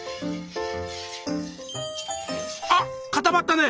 あっ固まったね！